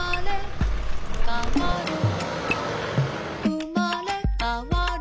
「うまれかわる」